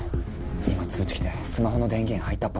今通知来てスマホの電源入ったっぽくて。